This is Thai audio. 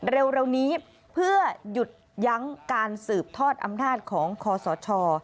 เร็วนี้เพื่อหยุดยั้งการสืบทอดอำนาจของคอสช